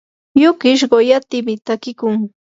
yukish quyatimi takiykun.